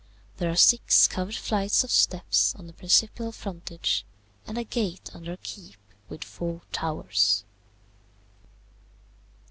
There are six covered flights of steps on the principal frontage, and a gate under a keep with four towers.